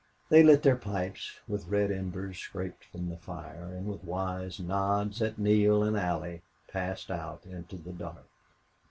They lit their pipes with red embers scraped from the fire, and with wise nods at Neale and Allie passed out into the dark.